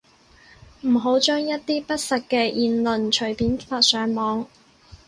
唔好將一啲不實嘅言論隨便發上網